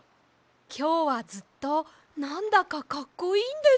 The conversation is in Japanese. きょうはずっとなんだかかっこいいんです。